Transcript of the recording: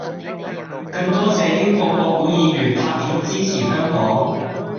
更多謝英國國會議員拍片支持香港